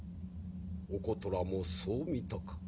おことらもそう見たか。